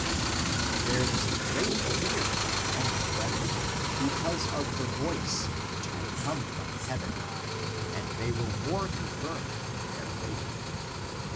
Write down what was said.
And there was a great fear among the brethren because of the voice, which had come from heaven, and they were the more confirmed (in the faith).